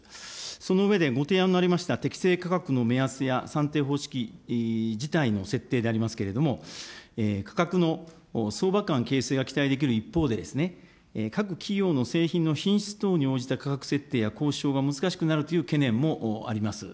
その上で、ご提案のありました適正価格の目安や算定方式自体の設定でありますけれども、価格の相場関係性が期待できる一方で、各企業の製品の品質等に応じた価格設定や交渉が難しくなるという懸念もあります。